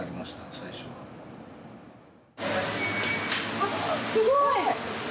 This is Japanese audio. あっすごい！